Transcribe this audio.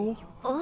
あ。